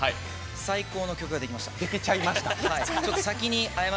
最高の曲ができました。